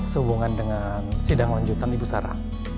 sehubungan dengan sidang lanjutan ibu sarah